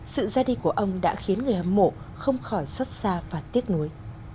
sự ra đi của ông đã khiến người hâm mộ không khỏi xót xa và tiếc nuối